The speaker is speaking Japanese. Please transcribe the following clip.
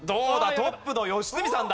トップの良純さんだ。